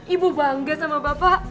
ibu bangga sama bapak